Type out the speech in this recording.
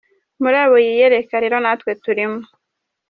Muri abo yiyereka rero natwe turimo.